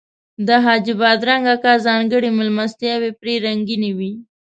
د حاجي بادرنګ اکا ځانګړي میلمستیاوې پرې رنګینې وې.